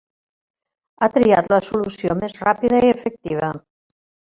Ha triat la solució més ràpida i efectiva.